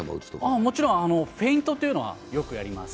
もちろんフェイントというのは、よくやります。